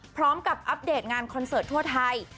อัปเดตงานคอนเสิร์ตทั่วไทย